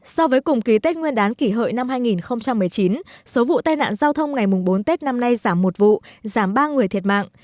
so với cùng ký tết nguyên đán kỷ hợi năm hai nghìn một mươi chín số vụ tai nạn giao thông ngày bốn tết năm nay giảm một vụ giảm ba người thiệt mạng